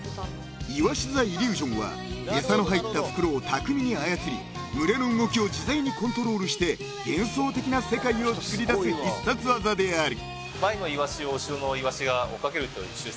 ［イワシ・ザ・イリュージョンは餌の入った袋を巧みに操り群れの動きを自在にコントロールして幻想的な世界をつくり出す必殺技である］